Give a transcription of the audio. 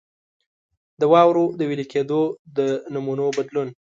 د واورو د وېلې کېدو د نمونو بدلون.